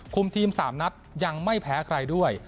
ทีม๓นัดยังไม่แพ้ใครด้วย